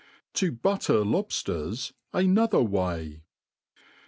To htttter Lobfters another Way.